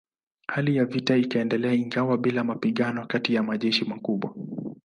Hali ya vita ikaendelea ingawa bila mapigano kati ya majeshi makubwa.